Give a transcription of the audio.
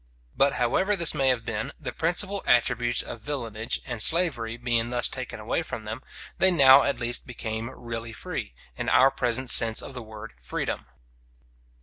But however this may have been, the principal attributes of villanage and slavery being thus taken away from them, they now at least became really free, in our present sense of the word freedom.